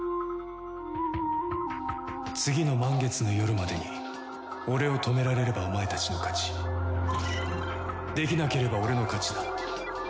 次の満月の夜までに俺を止められればお前たちの勝ち。できなければ俺の勝ちだ。